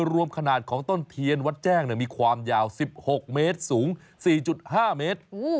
รวมขนาดของต้นเทียนวัดแจ้งมีความยาว๑๖เมตรสูง๔๕เมตร